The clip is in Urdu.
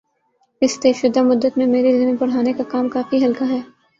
اِس طےشدہ مدت میں میرے ذمے پڑھانے کا کام کافی ہلکا ہے